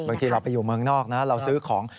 บางทีเราไปอยู่เมืองนอกนะเราซื้อของ